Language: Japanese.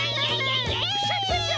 クシャシャシャ！